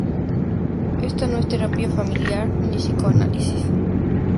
Ésta no es terapia familiar ni psicoanálisis.